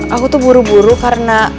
aku tuh buru buru karena